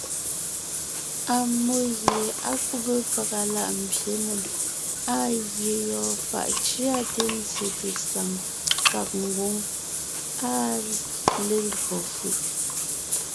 Ammó gie á kúbe pàga láʼ mbyěnèm, áa ngie yɔɔn fàʼ cʉate nzyete saŋ kàg ngwóŋ, áa lelÿò fʉ̀ʼ.